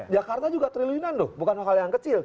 jakarta juga triliunan loh bukan hal yang kecil